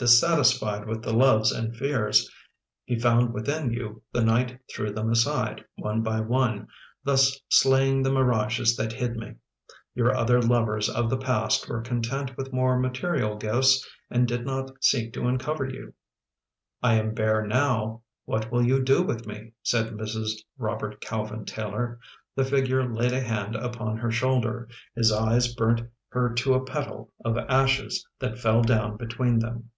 Dissatisfied with the loves and fears he found within you, the night threw them aside, one by one, thus slaying the mirages that hid me. Your other lovers of the past were content with more material gifts and did not seek to uncover you." "lam bare now. What will you do with me? " said Mrs. Robert Calvin Taylor. The figure laid a hand upon her shoulder. His eyes burnt her to a petal of ashes that fell down between them.